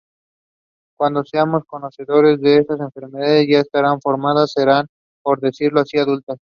Cuando seamos conocedores de esas enfermedades, ya estarán formadas, serán, por decirlo así, adultas.